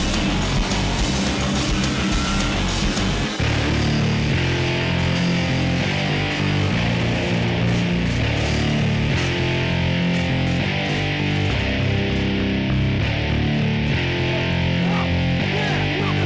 dia pikir lo kalah apa